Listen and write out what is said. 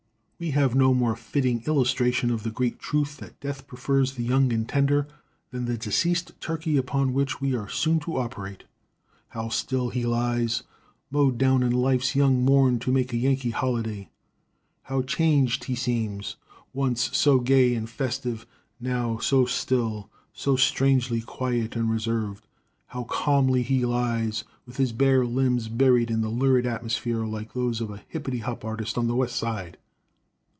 We have no more fitting illustration of the great truth that death prefers the young and tender than the deceased turkey upon which we are soon to operate. How still he lies, mowed down in life's young morn to make a yankee holiday. How changed he seems! Once so gay and festive, now so still, so strangely quiet and reserved. How calmly he lies, with his bare limbs buried in the lurid atmosphere like those of a hippytehop artist on the west side.